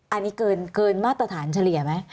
อันนี้เกินมาตรฐานเฉลี่ยไหม